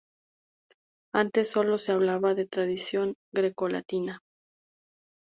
Antes solo se hablaba de tradición grecolatina.